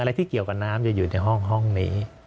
ที่เกี่ยวกับน้ำจะอยู่ในห้องนี้